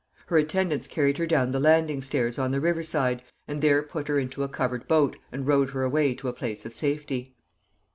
Her attendants carried her down the landing stairs on the river side, and there put her into a covered boat, and rowed her away to a place of safety.